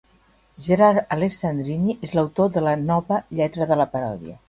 Gerard Alessandrini és l'autor de la "nova" lletra de la paròdia.